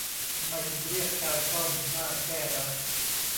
ทำไมถึงเรียกการซ่อมว่าแก้นะ